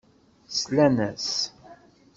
Slan-as.